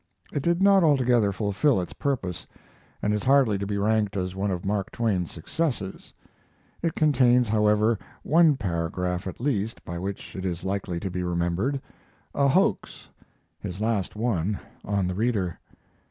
It did not altogether fulfil its purpose, and is hardly to be ranked as one of Mark Twain's successes. It contains, however, one paragraph at least by which it is likely to be remembered, a hoax his last one on the reader.